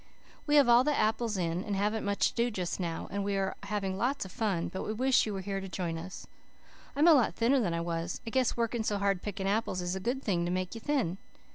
"We have all the apples in and haven't much to do just now and we are having lots of fun but we wish you were here to join in. I'm a lot thinner than I was. I guess working so hard picking apples is a good thing to make you thin.